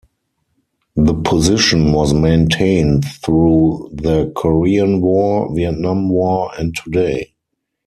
The position was maintained through the Korean War, Vietnam War and today.